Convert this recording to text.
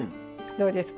どうですか？